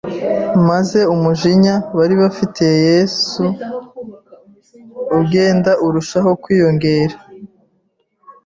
maze umujinya bari bafitiye Yesu ugenda urushaho kwiyongera